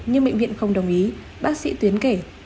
nhưng bệnh viện không đồng ý bác sĩ tuyến kể